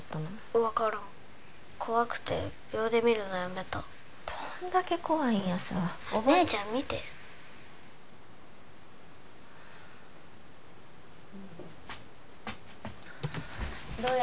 分からん怖くて秒で見るのやめたどんだけ怖いんやさ姉ちゃん見てどれ？